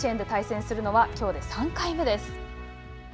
甲子園で対戦するのはきょうで３回目です。